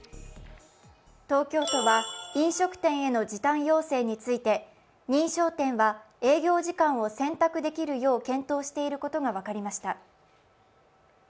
東京都は飲食店への時短要請について認証店は営業時間を選択できるよう検討していることが分かりました。